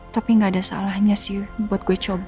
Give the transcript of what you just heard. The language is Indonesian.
tapi gak ada salahnya sih buat gue coba